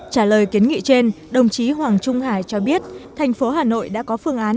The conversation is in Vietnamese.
trả lời kiến nghị trên đồng chí hoàng trung hải cho biết thành phố hà nội đã có phương án